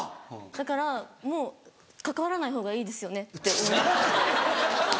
だからもう関わらないほうがいいですよねって思って。